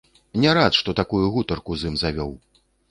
Не рад, што такую гутарку з ім завёў.